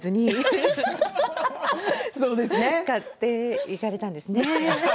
笑い声買っていかれたんですね。